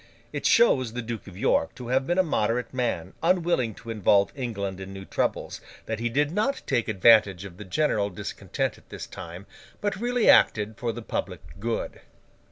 It shows the Duke of York to have been a moderate man, unwilling to involve England in new troubles, that he did not take advantage of the general discontent at this time, but really acted for the public good.